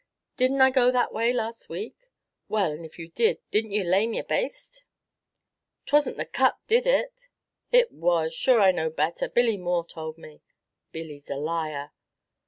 Did n't I go that way last week?" "Well, and if you did, did n't you lame your baste?" "'T was n't the cut did it." "It was sure I know better Billy Moore tould me." "Billy's a liar!"